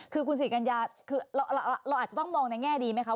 คือคุณสิริกัญญาคือเราอาจจะต้องมองในแง่ดีไหมคะ